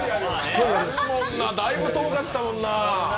だいぶ遠かったもんな。